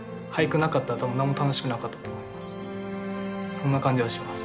そんな感じがします。